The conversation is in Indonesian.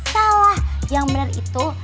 tahu lah yang benar itu